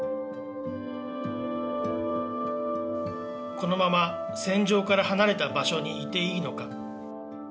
このまま戦場から離れた場所にいていいのか。